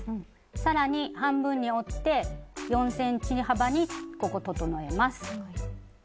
更に半分に折って４ｃｍ幅にここ整えます。